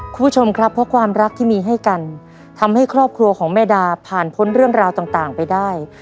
คุณผู้ชมครับเพราะความรักที่มีให้กันทำให้ครอบครัวของแม่ดาผ่านพ้นเรื่องราวต่างไปได้